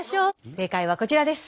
正解はこちらです。